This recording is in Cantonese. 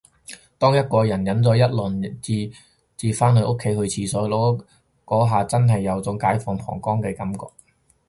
當一個人忍咗一輪至返到屋企去廁所，嗰下真係有種解放膀胱嘅感覺